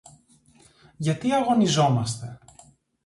Για τί αγωνιζόμαστε;